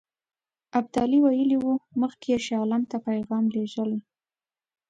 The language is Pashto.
ابدالي ویلي وو مخکې یې شاه عالم ته پیغام لېږلی.